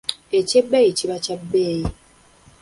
Eky’ebbeeyi kiba kya bbeeyi.